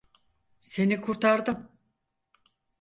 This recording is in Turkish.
Seni kurtardım.